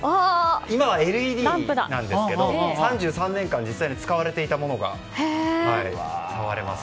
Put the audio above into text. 今はＬＥＤなんですけど３３年間、実際に使われていたものが触れます。